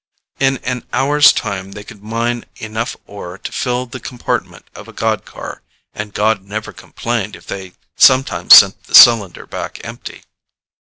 In an hour's time they could mine enough ore to fill the compartment of a god car, and god never complained if they sometimes sent the cylinder back empty.